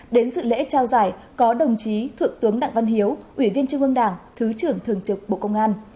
đến sự lễ trao giải có đồng chí thượng tướng đặng văn hiếu ủy viên trung ương đảng thứ trưởng thường trực bộ công an